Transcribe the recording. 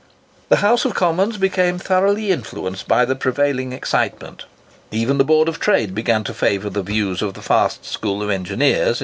The House of Commons became thoroughly influenced by the prevailing excitement. Even the Board of Trade began to favour the views of the fast school of engineers.